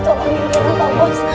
tolongin dia pak bos